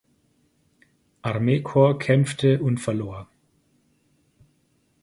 Armeekorps kämpfte und verlor.